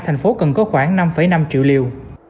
thành phố cần có khoảng năm năm triệu liều